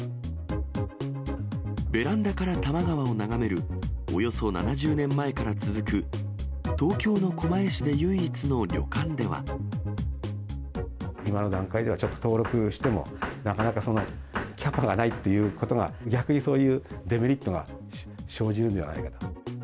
ベランダから多摩川を眺める、およそ７０年前から続く、東京の今の段階ではちょっと登録しても、なかなかそのキャパがないっていうことが、逆にそういうデメリットが生じるのではないかと。